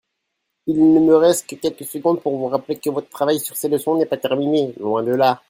Il ne me reste que quelques secondes pour vous rappeller que votre travail sur ces leçons n'est pas terminé, loin de là.